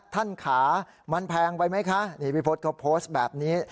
ท่านขามันแพงไปไหมคะนี่พี่พศเขาโพสต์แบบนี้